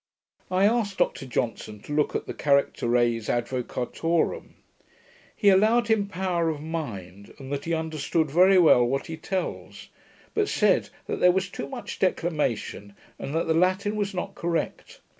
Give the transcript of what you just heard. I asked Dr Johnson to look at the Characteres Advocatorum. He allowed him power of mind, and that he understood very well what he tells; but said, that there was too much declamation, and that the Latin was not correct.